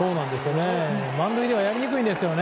満塁ではやりにくいんですよね。